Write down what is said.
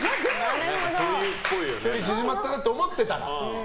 距離縮まったなって思ってたら。